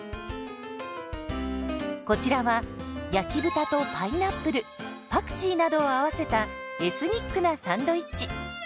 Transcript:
こちらは焼き豚とパイナップルパクチーなどを合わせたエスニックなサンドイッチ。